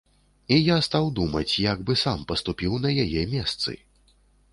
І я стаў думаць, як бы сам паступіў на яе месцы?